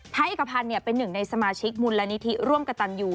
เอกพันธ์เป็นหนึ่งในสมาชิกมูลนิธิร่วมกับตันยู